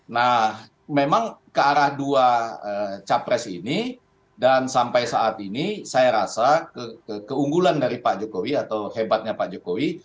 nah memang ke arah dua capres ini dan sampai saat ini saya rasa keunggulan dari pak jokowi atau hebatnya pak jokowi